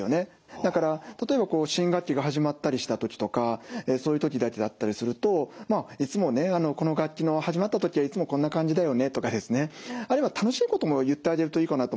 だから例えば新学期が始まったりした時とかそういう時だけだったりするとまあいつもねこの学期の始まった時はいつもこんな感じだよねとかですねあるいは楽しいことも言ってあげるといいかなと思うんです。